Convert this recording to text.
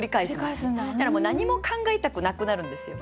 そしたらもう何も考えたくなくなるんですよ。